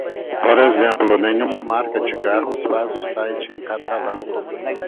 Por exemplo, nenhuma marca de carros faz o site em catalão.